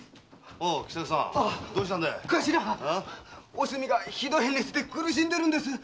おすみがひどい熱で苦しんでるんです！